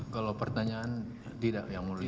kalau pertanyaan tidak yang mulia